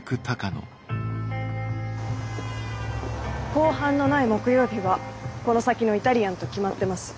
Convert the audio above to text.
公判のない木曜日はこの先のイタリアンと決まってます。